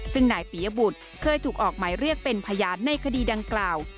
ซึ่งนายปียบุตรเคยถูกออกหมายเรียกเป็นพยานในคดีดังกล่าว